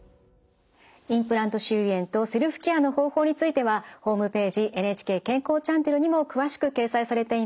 インプラント周囲炎とセルフケアの方法についてはホームページ「ＮＨＫ健康チャンネル」にも詳しく掲載されています。